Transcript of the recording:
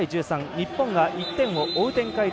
日本が１点を追う展開。